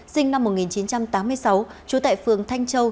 sinh năm một nghìn chín trăm tám mươi sáu trú tại phường thanh châu